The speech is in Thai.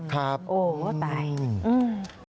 ครับอ๋อว่าตายอืม